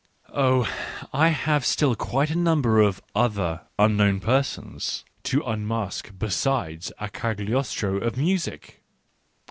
Oh, I have still quite a number of other " unknown persons " to unmask besides a Cagliostro of Music